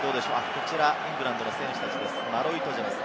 こちら、イングランドの選手たちです。